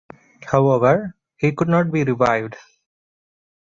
However, he could not be revived.